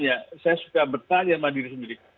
saya sering tanya saya suka bertanya sama diri sendiri